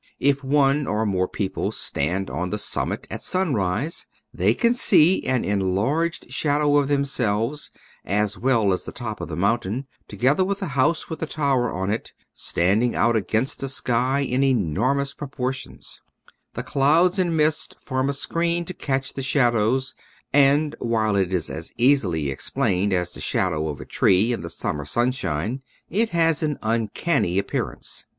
If one or more people stand on the summit at sunrise they can see an enlarged shadow of themselves as well as the top of the mountain, together with a house with a tower on it, standing out against the sky in enormous proportions; the clouds and mist form a screen to catch the shadows, and, while it is as easily explained as the shadow of a tree in the summer sunshine, it has an uncanny appearance.